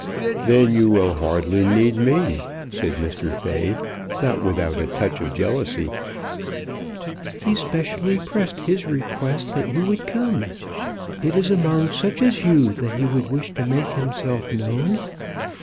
"Then you will hardly need me," said Mr. Fay, not without a touch of jealousy. "He specially pressed his request that you would come. It is among such as you that he would wish to make himself known.